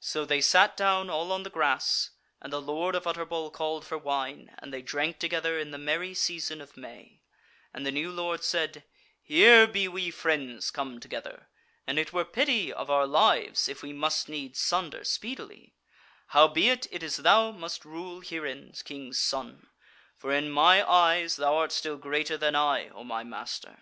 So they sat down all on the grass, and the Lord of Utterbol called for wine, and they drank together in the merry season of May; and the new Lord said: "Here be we friends come together, and it were pity of our lives if we must needs sunder speedily: howbeit, it is thou must rule herein, King's Son; for in my eyes thou art still greater than I, O my master.